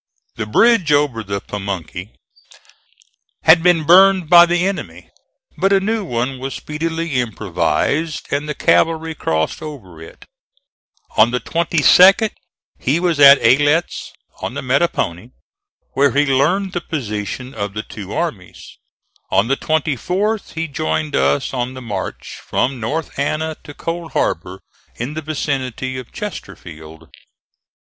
The bridge over the Pamunkey had been burned by the enemy, but a new one was speedily improvised and the cavalry crossed over it. On the 22d he was at Aylett's on the Matapony, where he learned the position of the two armies. On the 24th he joined us on the march from North Anna to Cold Harbor, in the vicinity of Chesterfield.